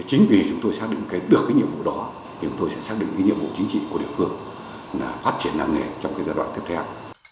chính vì chúng tôi xác định được nhiệm vụ đó thì chúng tôi sẽ xác định nhiệm vụ chính trị của địa phương phát triển làng nghề trong giai đoạn tiếp theo